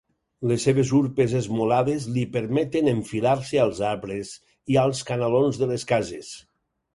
Les seves urpes esmolades li permeten enfilar-se als arbres i als canalons de les cases.